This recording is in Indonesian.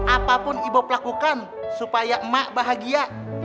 apapun ibob lakukan supaya emak bahagia